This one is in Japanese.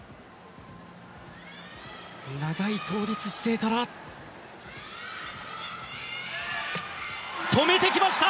長い倒立姿勢から止めてきました！